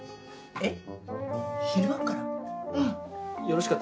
えっ。